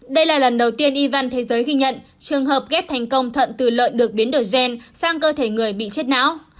đây là lần đầu tiên y văn thế giới ghi nhận trường hợp ghép thành công thận từ lợn được biến đổi gen sang cơ thể người bị chết não